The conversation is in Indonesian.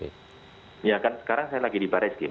ya kan sekarang saya lagi di baris